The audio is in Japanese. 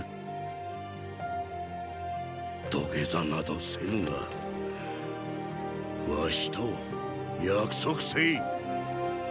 土下座などせぬが儂と約束せィ。